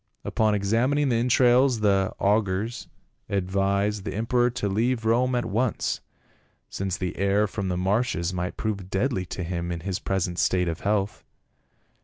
Upon examining the entrails the augurs ad vised the emperor to leave Rome at once, since the air from the marshes might prove deadly to him in his present state of health."